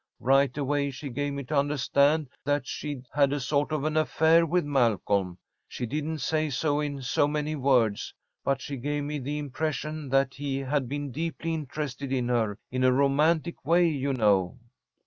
Right away she gave me to understand that she'd had a sort of an affair with Malcolm. She didn't say so in so many words, but she gave me the impression that he had been deeply interested in her, in a romantic way, you know."